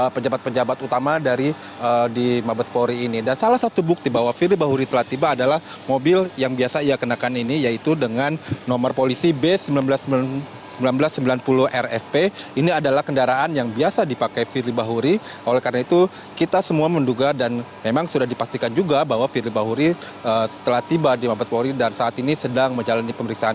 pemeriksaan firly dilakukan di barreskrim mabespori pada selasa pukul sembilan empat puluh menit dengan menggunakan mobil toyota camry